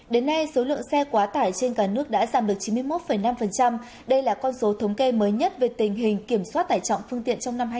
đến nay số lượng xe quá tải trên cả nước đã giảm được chín mươi một năm đây là con số thống kê mới nhất về tình hình kiểm soát tải trọng phương tiện trong năm hai nghìn hai mươi ba